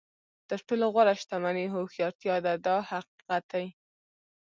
تر ټولو غوره شتمني هوښیارتیا ده دا حقیقت دی.